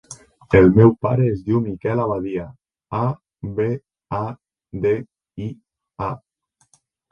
El meu pare es diu Miquel Abadia: a, be, a, de, i, a.